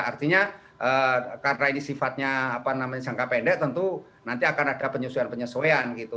artinya karena ini sifatnya jangka pendek tentu nanti akan ada penyesuaian penyesuaian gitu